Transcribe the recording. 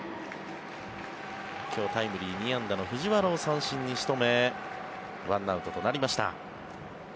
今日タイムリー２安打の藤原を三振に仕留め１アウトとなりました。